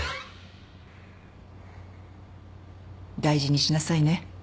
大事にしなさいね。